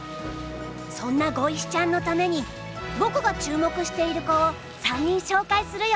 そんなごいしちゃんのために僕が注目している子を３人紹介するよ。